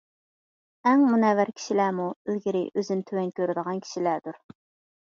ئەڭ مۇنەۋۋەر كىشىلەرمۇ ئىلگىرى ئۆزىنى تۆۋەن كۆرىدىغان كىشىلەردۇر.